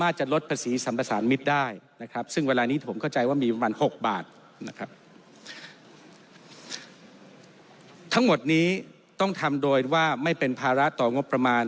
ทั้งหมดนี้ต้องทำโดยว่าไม่เป็นภาระต่องบประมาณ